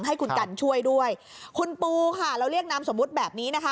ให้คุณกันช่วยด้วยคุณปูค่ะเราเรียกนามสมมุติแบบนี้นะคะ